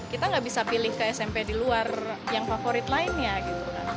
kita nggak bisa pilih ke smp di luar yang favorit lainnya gitu kan